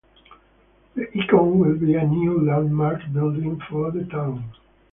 The iCon will be a new landmark building for the town.